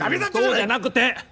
そうじゃなくて！